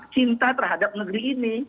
cinta terhadap negeri ini